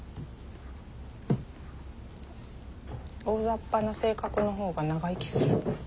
大ざっぱな性格の方が長生きすると。